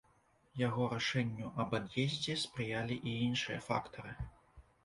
Яго рашэнню аб ад'ездзе спрыялі і іншыя фактары.